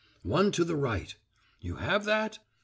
One to the right. You have that?